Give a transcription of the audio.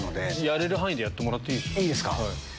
やれる範囲でやってもらっていいですか？